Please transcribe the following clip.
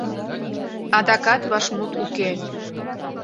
Адакат вашмут уке.